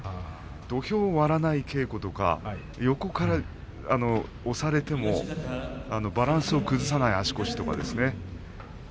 土俵を割らない稽古とか横から押されてもバランスを崩さない足腰とかですね。